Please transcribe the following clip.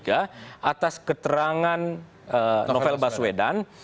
atas keterangan novel baswedan